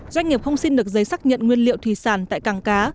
doanh nghiệp không xin được giấy xác nhận nguyên liệu thủy sản tại cảng cá